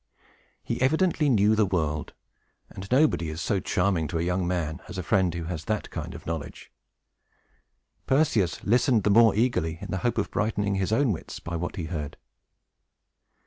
He evidently knew the world; and nobody is so charming to a young man as a friend who has that kind of knowledge. Perseus listened the more eagerly, in the hope of brightening his own wits by what he heard.